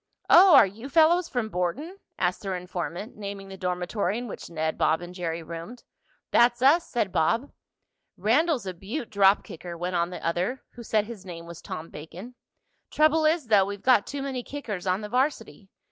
"Oh, are you fellows from Borton?" asked their informant, naming the dormitory in which Ned, Bob and Jerry roomed. "That's us," said Bob. "Randell's a beaut drop kicker," went on the other, who said his name was Tom Bacon. "Trouble is though, we've got too many kickers on the varsity.